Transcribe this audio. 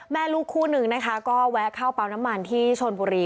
แม่ลูกคู่นึงนะคะก็แวะเข้าปั๊มน้ำมันที่ชนบุรี